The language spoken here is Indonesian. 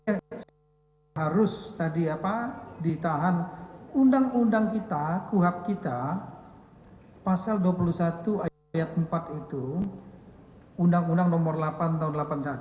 jadi harus ditahan undang undang kita kuhab kita pasal dua puluh satu ayat empat itu undang undang nomor delapan tahun seribu sembilan ratus delapan puluh satu